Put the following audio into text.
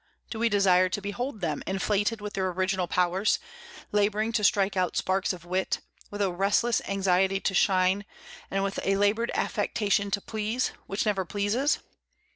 Do we desire to behold them, inflated with their original powers, laboring to strike out sparks of wit, with a restless anxiety to shine, and with a labored affectation to please, which never pleases?